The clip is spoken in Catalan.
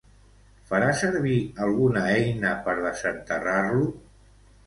Farà servir alguna eina per desenterrar-lo?